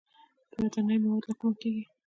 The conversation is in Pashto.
د ودانیو مواد له کومه کیږي؟